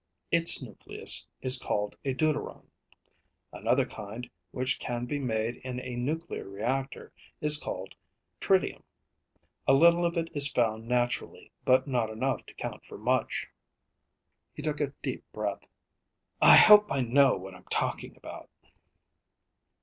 Its nucleus is called a deuteron. Another kind, which can be made in a nuclear reactor, is called tritium. A little of it is found naturally but not enough to count for much." He took a deep breath. "I hope I know what I'm talking about."